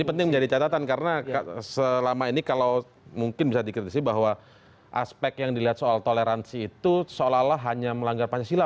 ini penting menjadi catatan karena selama ini kalau mungkin bisa dikritisi bahwa aspek yang dilihat soal toleransi itu seolah olah hanya melanggar pancasila